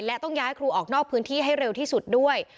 และต้องย้ายครูออกนอกพื้นที่ให้เร็วที่สุดด้วย